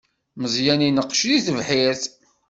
Meẓyan ineqqec di tebḥirt.